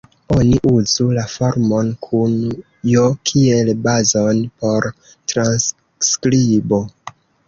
Oni uzu la formon kun "j" kiel bazon por transskribo.